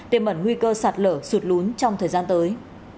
tiêm bẩn nguy cơ sạt lở sụt lún trong thời gian tới